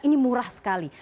ini murah sekali